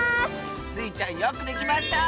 スイちゃんよくできました！